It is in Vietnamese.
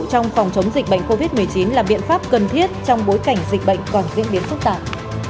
trong phòng chống dịch bệnh covid một mươi chín là biện pháp cần thiết trong bối cảnh dịch bệnh còn diễn biến phức tạp